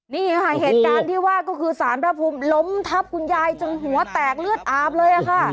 นี่ค่ะเหตุการณ์ที่ว่าก็คือสารพระภูมิล้มทับคุณยายจนหัวแตกเลือดอาบเลยค่ะ